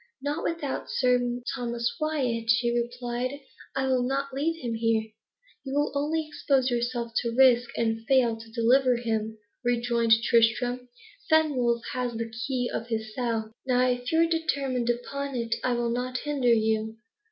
"Not without Sir Thomas Wyat," she replied; "I will not leave him here." "You will only expose yourself to risk, and fail to deliver him," rejoined Tristram. "Fenwolf has the key of his cell. Nay, if you are determined upon it, I will not hinder you.